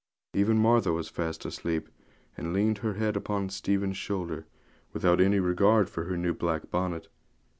Even Martha was fast asleep, and leaned her head upon Stephen's shoulder, without any regard for her new black bonnet.